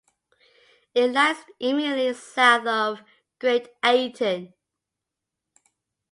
It lies immediately south of Great Ayton.